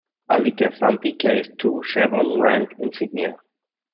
"Alikersantti" carries two-chevron rank insignia.